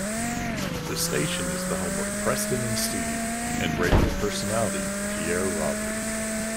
The station is the home of "Preston and Steve" and radio personality Pierre Robert.